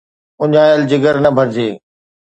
اُڃايل جگر، نه ڀرجي